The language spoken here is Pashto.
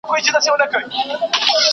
ایا تاسو په برېښنا پوهېږئ؟